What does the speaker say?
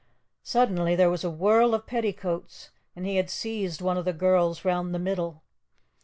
Suddenly there was a whirl of petticoats, and he had seized one of the girls round the middle.